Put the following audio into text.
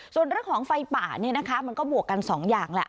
ส่วนเรื่องของไฟป่าเนี่ยนะคะมันก็บวกกันสองอย่างแหละ